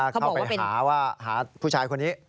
เข้าไปหาผู้ชายคนนี้